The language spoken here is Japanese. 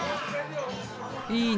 いいね。